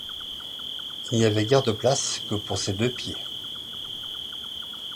Il n’y avait guère de place que pour ses deux pieds.